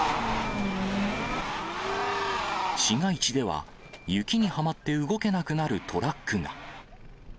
市街地では、雪にはまって動けなくなるトラックが。